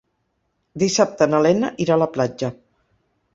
Dissabte na Lena irà a la platja.